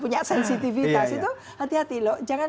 punya sensitivitas itu hati hati loh